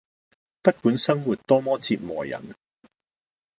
不管生活多麼折磨人